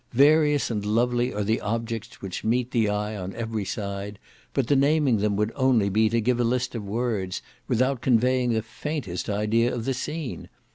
Various and lovely are the objects which meet the eye on every side, but the naming them would only be to give a list of words, without conveying the faintest idea of the scene.